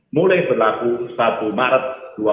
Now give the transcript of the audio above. mulai berlaku satu maret dua ribu dua puluh